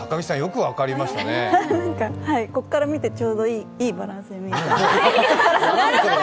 ここから見てちょうどいいバランスで。